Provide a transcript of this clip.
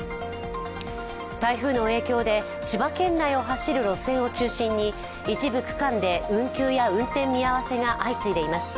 台風の影響で千葉県内を走る路線を中心に一部区間で運休や運転見合わせが相次いでいます。